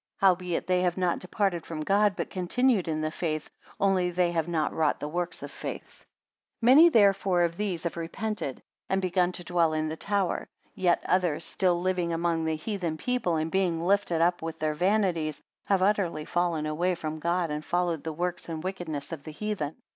Howbeit they have not departed from God, but continued in the faith; only they have not wrought the works of faith. 72 Many therefore of these have repented; and begun to dwell in the tower. Yet others still living among the heathen people, and being lifted up with their vanities, have utterly fallen away from God, and followed the works and wickedness of the heathen.